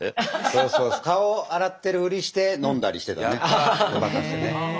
そうそう顔を洗ってるふりして飲んだりしてたねごまかしてね。